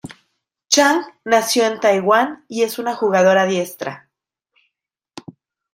Chang nació en Taiwán y es una jugadora diestra.